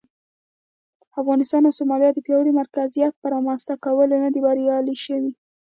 افغانستان او سومالیا د پیاوړي مرکزیت پر رامنځته کولو نه دي بریالي شوي.